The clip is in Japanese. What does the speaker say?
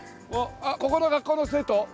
あっここの学校の生徒？